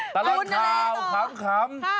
ตลอดข่าวขำ